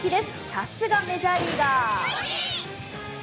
さすがメジャーリーガー。